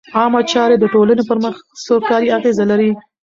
عامه چارې د ټولنې پر سوکالۍ اغېز لري.